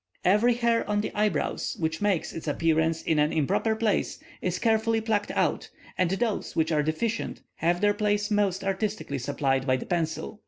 Every hair on the eyebrows which makes its appearance in an improper place, is carefully plucked out, and those which are deficient have their place most artistically supplied by the pencil.